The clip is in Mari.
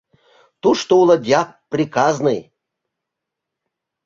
Тушто уло дьяк приказный